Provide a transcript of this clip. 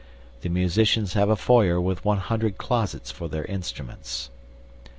The musicians have a foyer with 100 closets for their instruments."